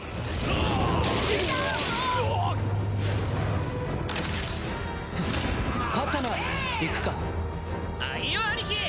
あいよ兄貴！